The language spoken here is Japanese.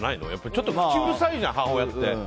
ちょっと口うるさいじゃん母親って。